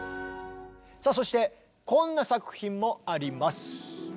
さあそしてこんな作品もあります。